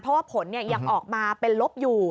เพราะว่าผลยังออกมาเป็นลบอยู่